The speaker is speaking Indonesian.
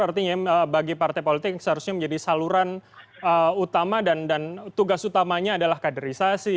artinya bagi partai politik seharusnya menjadi saluran utama dan tugas utamanya adalah kaderisasi